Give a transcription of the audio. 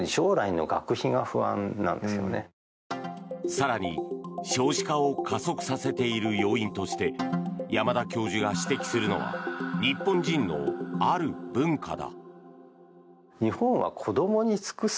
更に、少子化を加速させている要因として山田教授が指摘するのは日本人のある文化だ。